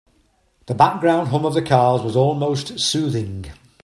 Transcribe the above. The background hum of the cars was almost soothing.